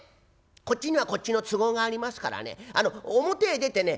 こっちにはこっちの都合がありますからね表へ出てね